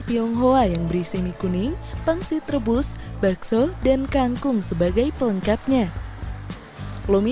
tionghoa yang berisi mie kuning pangsit rebus bakso dan kangkung sebagai pelengkapnya lomi